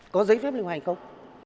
có giấy phép lưu hành không